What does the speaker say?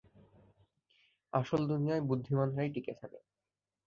আসল দুনিয়ায়, বুদ্ধিমানরাই টিকে থাকে।